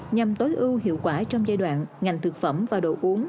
nhằm tối ưu hiệu quả trong giai đoạn ngành thực phẩm và đồ uống